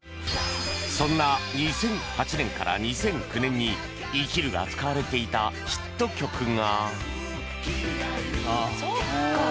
そんな２００８年から２００９年に「生きる」が使われていたヒット曲が